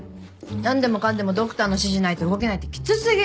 なんでもかんでもドクターの指示ないと動けないってきつすぎ！